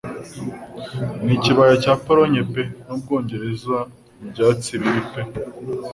N'ikibaya cya Polonye pe n'Ubwongereza ibyatsi bibi pe